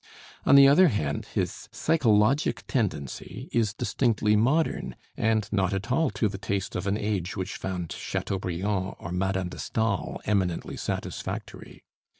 On the other hand, his psychologic tendency is distinctly modern, and not at all to the taste of an age which found Chateaubriand or Madame de Staël eminently satisfactory.